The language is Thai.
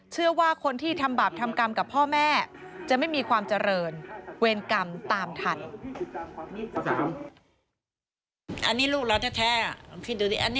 เชื่อว่าคนที่ทำบาปทำกรรมกับพ่อแม่จะไม่มีความเจริญเวรกรรมตามทัน